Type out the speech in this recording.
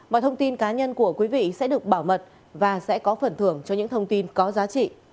mọi thông tin cá nhân của quý vị sẽ được bảo mật và sẽ có phần thưởng cho những thông tin có giá trị